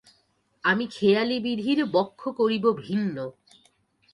আমি খেয়ালী-বিধির বক্ষ করিব ভিন্ন।